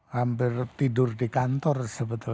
hampir tidur di kantor sebetulnya